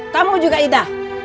kamu juga ida